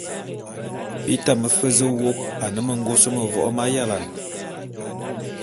Bi tame fe zu wôk ane mengôs mevok m'ayalane.